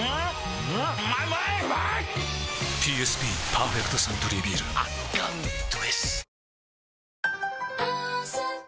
ＰＳＢ「パーフェクトサントリービール」圧巻どぇす！